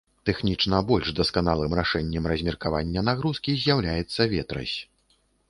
Тэхнічна больш дасканалым рашэннем размеркавання нагрузкі з'яўляецца ветразь.